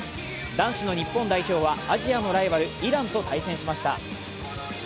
男子の日本代表はアジアのライバルイランと対戦しました。